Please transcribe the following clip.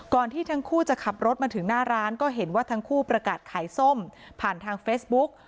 ที่ทั้งคู่จะขับรถมาถึงหน้าร้านก็เห็นว่าทั้งคู่ประกาศขายส้มผ่านทางเฟซบุ๊ก